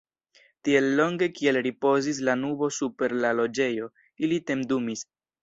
Tiel longe kiel ripozis la nubo super la Loĝejo, ili tendumis.